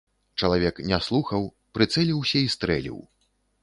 Чалавек не слухаў, прыцэліўся і стрэліў.